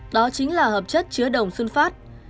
đó chính là hợp chất chứa đồng xuân phát